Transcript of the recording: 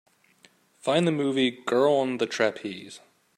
Find the movie Girl on the Trapeze